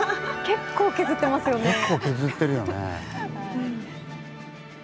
結構削ってるよね。